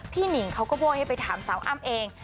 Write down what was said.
หนิงเขาก็โบ้ให้ไปถามสาวอ้ำเอง